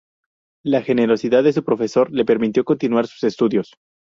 La generosidad de su profesor le permitió continuar sus estudios.